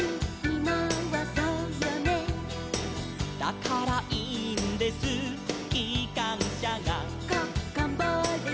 「だからいいんですきかんしゃが」